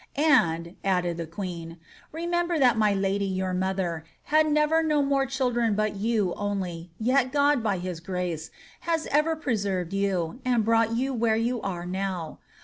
^ And,' added the queen, ^ remember that my lady, your mother, had never no more children but you only, yet God, by his grace, has ever preserved yon, and brought you where you are now.